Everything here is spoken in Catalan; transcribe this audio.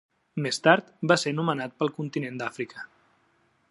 Més tard va ser nomenat pel continent d'Àfrica.